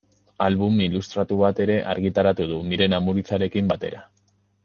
Album ilustratu bat ere argitaratu du Miren Amurizarekin batera.